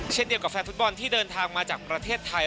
เช่นเดียวกับแฟนฟุตบอลที่เดินทางมาจากประเทศไทย